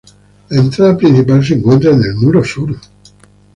La entrada principal se encuentra en el muro sur.